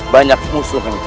banyak musuh mencari kita